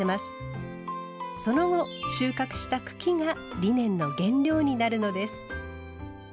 その後収穫した茎がリネンの原料になるのです。